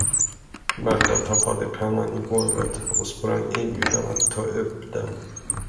Märta tappade pennan i golvet och sprang in utan att ta upp den.